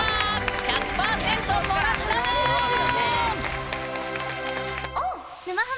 １００％もらったぬん。